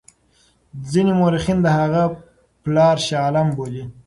ځیني مورخین د هغه پلار شاه عالم بولي.